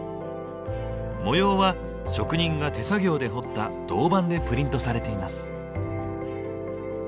模様は職人が手作業で彫った銅板でプリントされています。